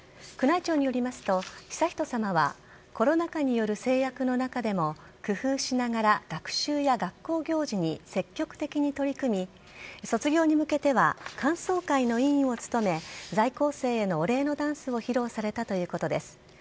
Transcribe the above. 宮内庁によりますと、悠仁さまはコロナ禍による制約の中でも工夫しながら学習や学校行事に積極的に取り組み卒業に向けては歓送会の委員を務め在校生へのお礼のダンスを披露されたということです。